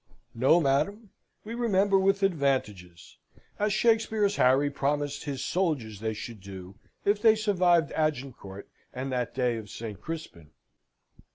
No, madam, we remember with advantages, as Shakspeare's Harry promised his soldiers they should do if they survived Agincourt and that day of St. Crispin.